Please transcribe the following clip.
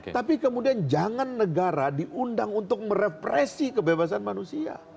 tapi kemudian jangan negara diundang untuk merepresi kebebasan manusia